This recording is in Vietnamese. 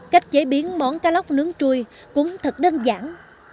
cách chế biến món cá lóc nướng chui cũng thật đơn giản